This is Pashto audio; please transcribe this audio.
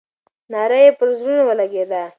ناره یې پر زړونو ولګېده.